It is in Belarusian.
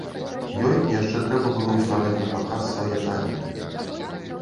Ёй яшчэ трэба было выстаўляць напаказ свае таленты.